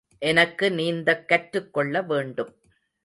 எனக்கு நீந்தக் கற்றுக்கொள்ள வேண்டும்.